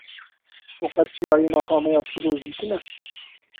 We qet çiyayên axa me ya pîroz dîtine?